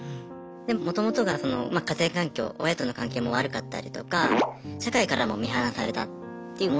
でももともとがその家庭環境親との関係も悪かったりとか社会からも見放されたって思っていて。